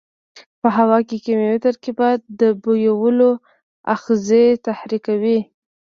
په هوا کې کیمیاوي ترکیبات د بویولو آخذې تحریکوي.